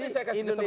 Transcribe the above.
saya masih sediam